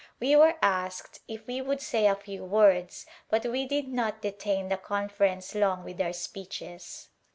We were asked if we would say a few words but we did not detain the conference long with our speeches.